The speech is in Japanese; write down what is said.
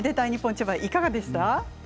千葉いかがでしたか？